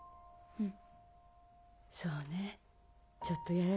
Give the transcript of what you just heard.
うん。